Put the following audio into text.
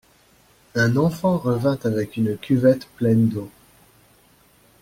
Un enfant revint avec une cuvette pleine d'eau.